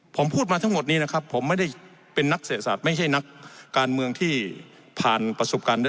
ผมพูดมาทั้งหมดนี้นะครับผมไม่ได้เป็นนักเศรษฐศาสตร์ไม่ใช่นักการเมืองที่ผ่านประสบการณ์ด้วย